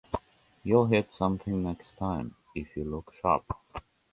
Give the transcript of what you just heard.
You’ll hit something next time, if you look sharp.